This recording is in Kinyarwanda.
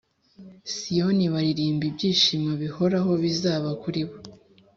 Siyoni baririmba ibyishimo bihoraho bizaba kuri bo